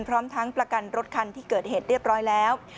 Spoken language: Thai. พร้อมทั้งประกันรถคันที่เกิดเหตุเรียบร้อยแล้ว